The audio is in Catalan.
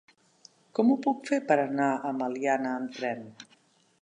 Com ho puc fer per anar a Meliana amb tren?